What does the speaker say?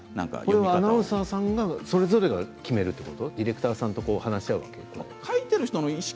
アナウンサーさんがそれぞれ決めるんですかディレクターさんと話し合うんですか？